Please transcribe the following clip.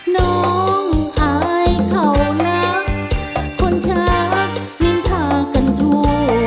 น้องอายเขานักคนช้านินทากันทั่ว